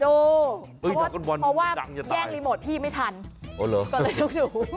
เพราะว่าแย่งรีโมทพี่ไม่ทันก็เลยต้องดู